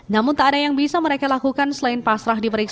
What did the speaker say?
namun tak ada yang bisa mereka lakukan selain pasrah diberikan